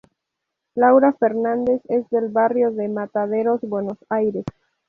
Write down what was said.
Laura Fernández es del barrio de Mataderos, Buenos Aires.